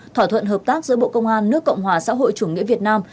thỏa thuận hợp tác giữa bộ công an nước cộng hòa xã hội chủ nghĩa việt nam